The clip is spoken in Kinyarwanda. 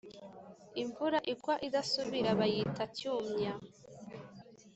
Imvura igwa idasubira ,bayita cyumya